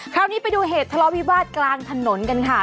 คราวนี้ไปดูเหตุทะเลาวิวาสกลางถนนกันค่ะ